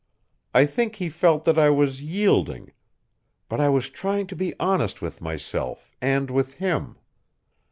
I think he felt that I was yielding. But I was trying to be honest with myself and with him.